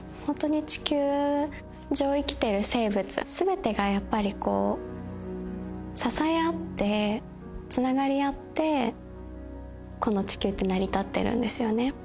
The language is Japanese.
ホントに地球上生きてる生物全てがやっぱり支え合ってつながり合ってこの地球って成り立ってるんですよね。